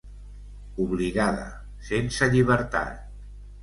Obligada, sense llibertat.